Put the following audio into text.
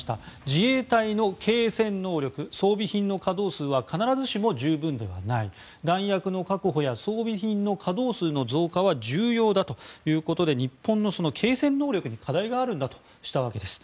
自衛隊の継戦能力装備品の可動数は必ずしも十分ではない弾薬の確保や装備品の可動数の増加は重要だということで日本の継戦能力に課題があるんだとしたわけです。